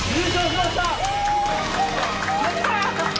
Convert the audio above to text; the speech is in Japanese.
やったー！